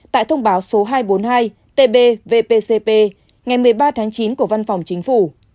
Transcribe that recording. tại thông báo số hai trăm bốn mươi hai tb vpcp ngày một mươi ba tháng chín của văn phòng chính phủ